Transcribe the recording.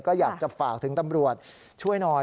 ก็อยากจะฝากถึงตำรวจช่วยหน่อย